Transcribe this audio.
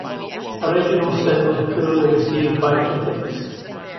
"Original Sin" was poorly received by critics.